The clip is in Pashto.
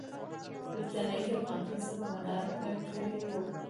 برټانیې له افغانستان سره متارکه کړې وه.